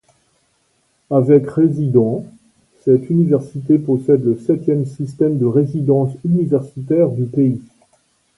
Avec résidents, cette université possède le septième système de résidence universitaire du pays.